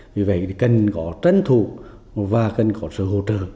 vì vậy cần có tranh thủ và cần có sự hỗ trợ